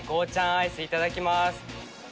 アイスいただきます。